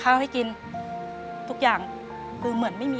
เปลี่ยนเพลงเพลงเก่งของคุณและข้ามผิดได้๑คำ